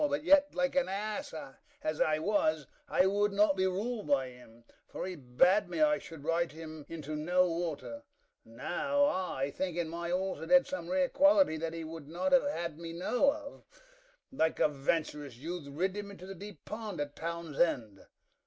But yet, like an ass as I was, I would not be ruled by him, for he bade me I should ride him into no water: now I, thinking my horse had had some rare quality that he would not have had me know of, I, like a venturous youth, rid him into the deep pond at the town's end.